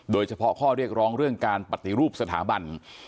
โดยเฉพาะข้อเรียกร้องเรื่องการปฏิรูปสถาบัน